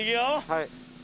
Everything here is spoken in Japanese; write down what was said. はい。